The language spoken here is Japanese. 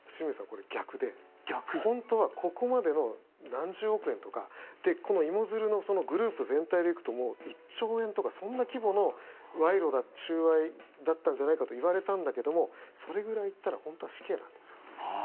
これ、逆で本当はここまでの何十億円とかこの芋づるのグループ全体で行くと１兆円とかそんな規模の賄賂収賄だったんじゃないかといわれたんだけどもそれぐらい行ったら本当は死刑なんですよ。